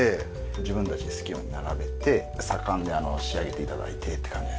自分たちで好きなように並べて左官で仕上げて頂いてっていう感じで。